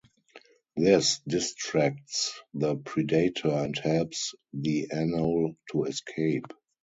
This distracts the predator and helps the anole to escape.